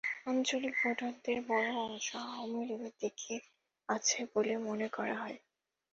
আঞ্চলিক ভোটারদের বড় অংশ আওয়ামী লীগের দিকে আছে বলে মনে করা হয়।